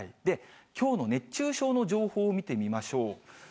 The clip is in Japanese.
きょうの熱中症の情報を見てみましょう。